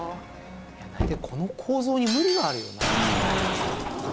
いや大体この構造に無理があるよなあ。